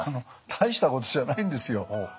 大したことじゃないんですよ。